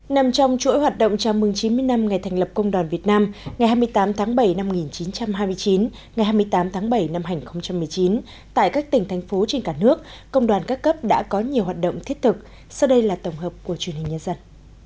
nằm trong chuỗi hoạt động chào mừng chín mươi năm ngày thành lập công đoàn việt nam ngày hai mươi tám tháng bảy năm một nghìn chín trăm hai mươi chín ngày hai mươi tám tháng bảy năm hai nghìn một mươi chín tại các tỉnh thành phố trên cả nước công đoàn các cấp đã có nhiều hoạt động thiết thực sau đây là tổng hợp của truyền hình nhân dân